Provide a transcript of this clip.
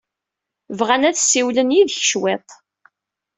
Bɣan ad ssiwlen yid-k cwiṭ.